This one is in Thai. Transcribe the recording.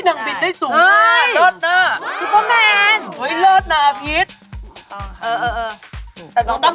ต้องทั้งวัยไหม